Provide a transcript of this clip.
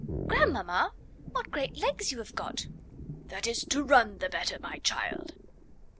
"Grandmamma, what great legs you have got!" "That is to run the better, my child."